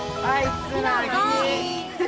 つなぎ！